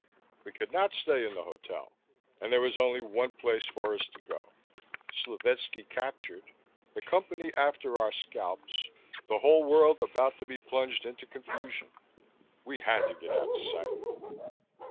We could not stay in the hotel, and there was only one place for us to go. Slovetski captured, the Company after our scalps, the whole world about to be plunged into confusion we had to get out of sight.